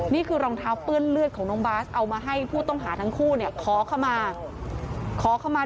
นี่คือรองเท้าเปื้อนเลือดของน้องบาสเอามาให้ผู้ต้องหาทั้งคู่ขอเข้ามา